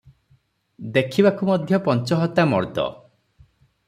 ଦେଖିବାକୁ ମଧ୍ୟ ପଞ୍ଚହତା ମର୍ଦ୍ଦ ।